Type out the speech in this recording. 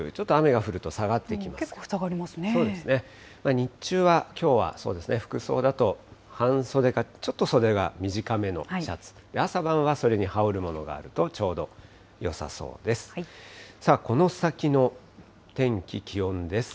日中はきょうはそうですね、服装だと半袖か、ちょっと袖が短めのシャツ、朝晩はそれに羽織るものがあるとちょうどよさそうです。